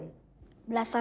nah across bisa menceritakan